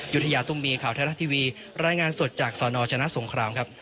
อยุธยาตุมมีข่าวเทศรักษณ์ทีวีรายงานสดจากสนชนะสงคราม